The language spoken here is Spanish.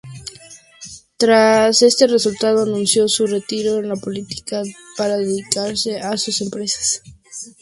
Tras este resultado anunció su retiro de la política para dedicarse a sus empresas.